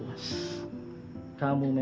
lu di dalam kertas